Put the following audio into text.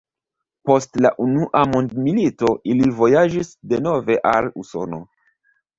Post la unua mondmilito ili vojaĝis denove al Usono.